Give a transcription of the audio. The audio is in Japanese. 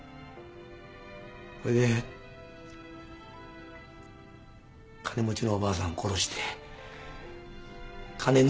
それで金持ちのおばあさん殺して金盗んだんや。